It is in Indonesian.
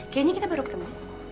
kayaknya kita baru ketemu